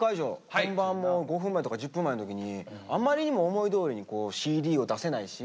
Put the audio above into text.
本番も５分前とか１０分前の時にあまりにも思いどおりにＣＤを出せないし